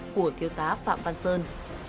của thiếu tá phạm văn sơn